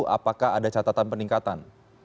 apakah ada catatan peningkatan